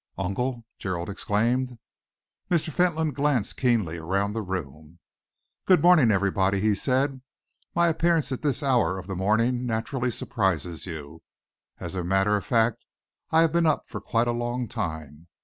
"Uncle!" Gerald exclaimed. Mr. Fentolin glanced keenly around the room. "Good morning, everybody," he said. "My appearance at this hour of the morning naturally surprises you. As a matter of fact, I have been up for quite a long time.